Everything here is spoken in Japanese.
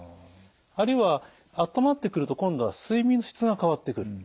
あるいは温まってくると今度は睡眠の質が変わってくる。